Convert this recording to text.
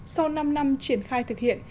sau năm năm triển khai thực hiện